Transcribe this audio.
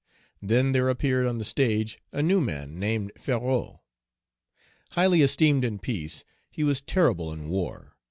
Then there appeared on the stage a new man named Ferrou. Highly esteemed in peace, he was terrible in war.